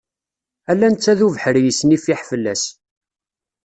Ala netta d ubeḥri yesnifiḥ fell-as.